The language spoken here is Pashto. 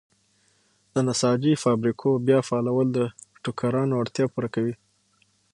د نساجۍ فابریکو بیا فعالول د ټوکرانو اړتیا پوره کوي.